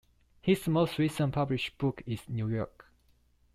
His most recent published book is "New York".